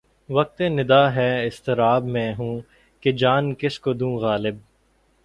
وقت نِدا ہے اضطراب میں ہوں کہ جان کس کو دوں غالب